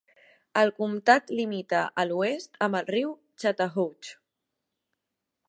El comptat limita a l'oest amb el riu Chattahoochee.